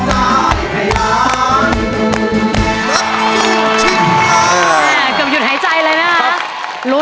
เกือบหยุดหายใจเลยนะคะ